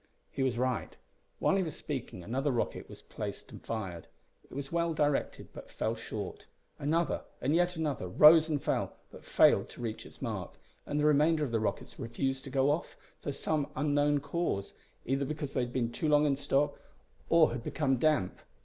He was right. While he was speaking, another rocket was placed and fired. It was well directed, but fell short. Another, and yet another, rose and fell, but failed to reach its mark, and the remainder of the rockets refused to go off from some unknown cause either because they had been too long in stock or had become damp.